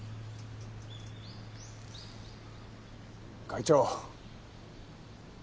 会長。